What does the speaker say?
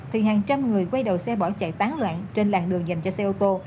thì hàng trăm người quay đầu xe bỏ chạy tán loạn trên làng đường dành cho xe ô tô